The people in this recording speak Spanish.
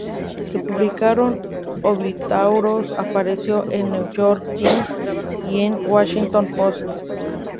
Se publicaron obituarios apareció en el New York Times y el Washington Post.